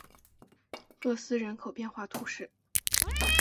厄斯人口变化图示